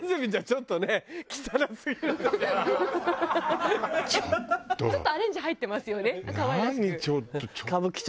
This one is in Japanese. ちょっとアレンジ入ってますよね可愛らしく。